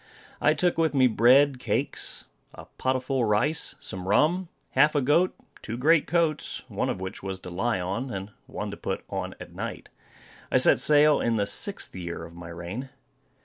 I took with me bread, cakes, and a pot full of rice, some rum, half a goat, two great coats, one of which was to lie on, and one to put on at night. I set sail in the sixth year of my reign.